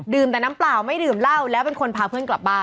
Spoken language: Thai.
แต่น้ำเปล่าไม่ดื่มเหล้าแล้วเป็นคนพาเพื่อนกลับบ้าน